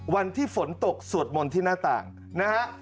วันที่ฝนตกสวดมนต์ที่หน้าต่างนะฮะ